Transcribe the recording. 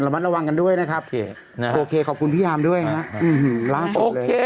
มัดระวังกันด้วยนะครับโอเคขอบคุณพี่ยามด้วยนะล่าสุดเลย